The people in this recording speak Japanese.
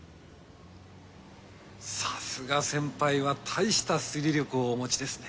さすが先輩は大した推理力をお持ちですね。